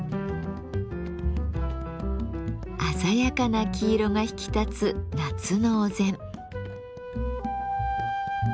鮮やかな黄色が引き立つ夏のお膳。